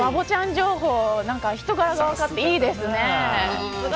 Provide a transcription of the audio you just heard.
情報人柄が分かっていいですね。